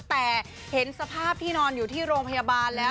แต่เห็นสภาพที่นอนอยู่ที่โรงพยาบาลแล้ว